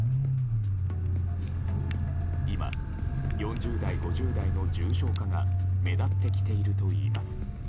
今、４０代、５０代の重症化が目立ってきているといいます。